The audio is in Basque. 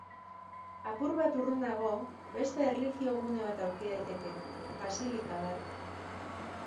Apur bat urrunago, beste erlijio gune bat aurki daiteke, basilika bat.